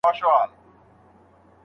الله تعالی د اولادونو وژل حرام وګرځول.